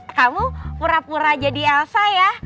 eh kamu pura pura jadi elsa ya